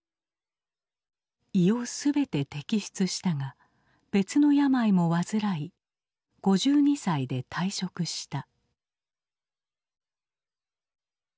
胃を全て摘出したが別の病も患い５２歳で退職した。